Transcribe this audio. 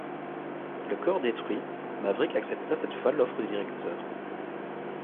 Le corps détruit, Maverick accepta cette fois l'offre du Directeur.